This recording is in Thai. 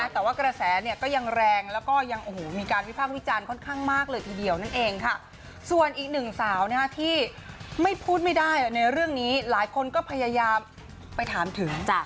แต่ว่ากระแสเนี่ยก็ยังแรงแล้วก็ยังโอ้โหมีการวิภาควิจารณ์ค่อนข้างมากเลยทีเดียวนั่นเองค่ะส่วนอีกหนึ่งสาวที่ไม่พูดไม่ได้ในเรื่องนี้หลายคนก็พยายามไปถามถึง